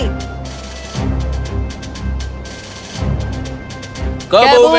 ke bumi ke bumi